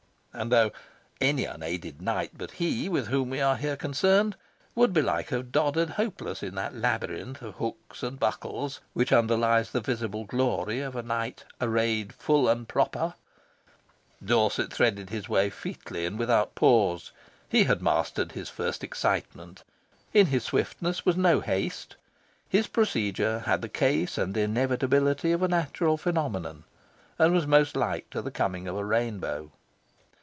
And, though any unaided Knight but he with whom we are here concerned would belike have doddered hopeless in that labyrinth of hooks and buckles which underlies the visible glory of a Knight "arraied full and proper," Dorset threaded his way featly and without pause. He had mastered his first excitement. In his swiftness was no haste. His procedure had the ease and inevitability of a natural phenomenon, and was most like to the coming of a rainbow.